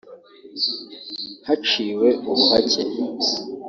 haciwe ubuhake